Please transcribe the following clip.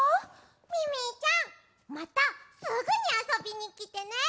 ミミィちゃんまたすぐにあそびにきてね！